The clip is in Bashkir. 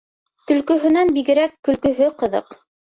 Төлкөһөнән бигерәк көлкөһө ҡыҙыҡ.